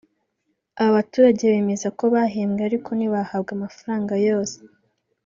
Aba baturage bemeza ko bahembwe ariko ntibahabwe amafaranga yose